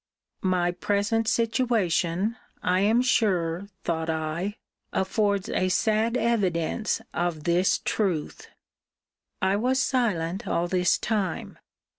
My present situation, I am sure, thought I, affords a sad evidence of this truth! I was silent all this time.